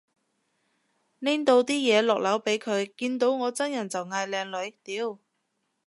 拎到啲嘢落樓俾佢，見到我真人就嗌靚女，屌